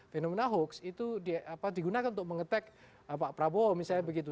fenomena hoax itu digunakan untuk mengetek pak prabowo misalnya begitu